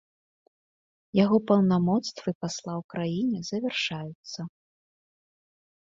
Яго паўнамоцтвы пасла ў краіне завяршаюцца.